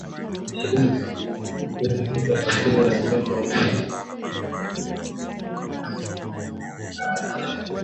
Kupe hubeba bakteria wa ugonjwa huu wanapowafyonza au kunyonya damu wanyama walioambukizwa